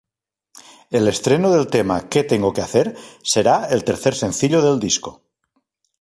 En estreno de tema "Que tengo que hacer" será el tercer sencillo del disco.